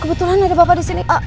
kebetulan ada bapak disini